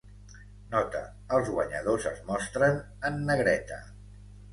"Nota: els guanyadors es mostren en" negreta.